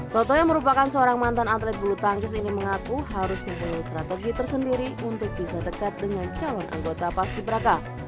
toto yang merupakan seorang mantan atlet bulu tangkis ini mengaku harus mempunyai strategi tersendiri untuk bisa dekat dengan calon anggota paski beraka